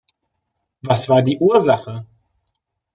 Was war die Ursache?